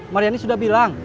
mariani sudah bilang